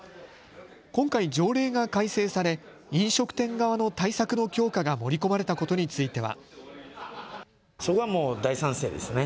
今回、条例が改正され飲食店側の対策の強化が盛り込まれたことについては。